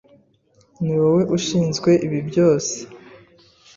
Niwowe ushinzwe ibi byose.